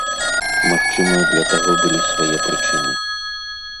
Магчыма, для таго былі свае прычыны.